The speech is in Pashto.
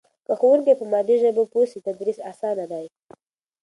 که ښوونکی په مادي ژبه پوه سي تدریس اسانه دی.